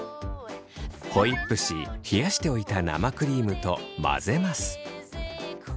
ホイップし冷やしておいた生クリームと混ぜます。